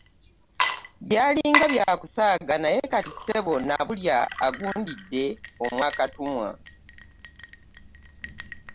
Byali nga bya kusaaga naye kati ssebo Nabulya agundidde omwa Katumwa.